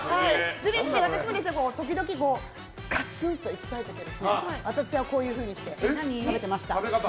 時々ガツンといきたい時は私はこういうふうにして食べてました。